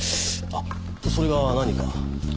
あっそれが何か？